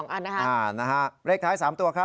อันนี้๒อันนะฮะ